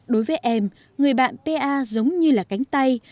đối với em người bạn pa giống như là cánh tay